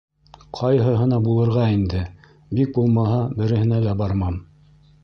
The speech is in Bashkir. Ҡайһыһына булырға инде, бик булмаһа, береһенә лә бармам.